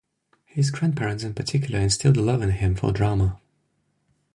His grandparents in particular instilled a love in him for drama.